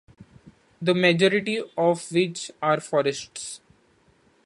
The majority of which are forests.